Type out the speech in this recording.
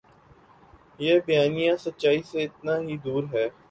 یہ بیانیہ سچائی سے اتنا ہی دور ہے۔